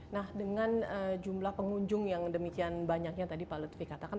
nah dengan jumlah pengunjung yang demikian banyaknya tadi pak lutfi katakan